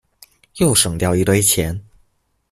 又省掉一堆錢